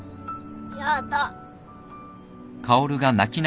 やだ。